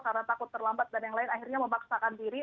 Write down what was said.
karena takut terlambat dan yang lain akhirnya memaksakan diri